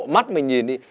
mắt mình nhìn đi